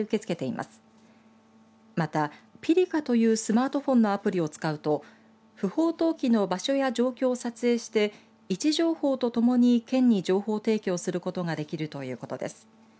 また、ＰＩＲＩＫＡというスマートフォンのアプリを使うと不法投棄の場所や状況を撮影して位置情報とともに県に情報提供することができるということです。